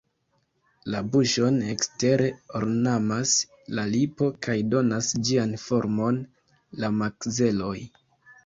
La buŝon ekstere ornamas la lipo kaj donas ĝian formon la makzeloj.